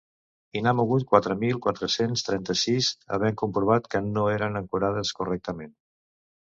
I n’ha mogut quatre mil quatre-cents trenta-sis havent comprovat que no eren ancorades correctament.